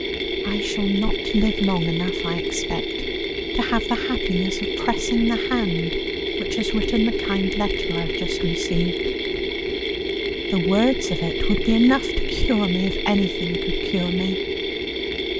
I shall not live long enough, I expect, to have the happiness of pressing the hand which has written the kind letter I have just received; the words of it would be enough to cure me, if anything could cure me.